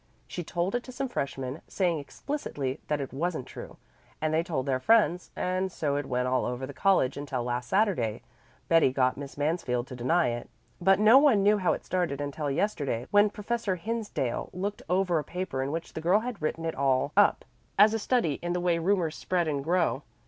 She told it to some freshmen, saying explicitly that it wasn't true, and they told their friends, and so it went all over the college until last Saturday Betty got Miss Mansfield to deny it. But no one knew how it started until yesterday when Professor Hinsdale looked over a paper in which the girl had written it all up, as a study in the way rumors spread and grow.